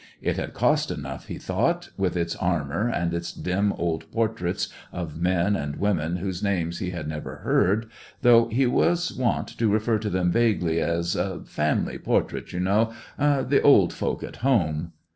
It had cost enough, he thought, with its armour, and its dim old portraits of men and women whose names he had never heard, though he was wont to refer to them vaguely as "family portraits, you know the old folk at Home."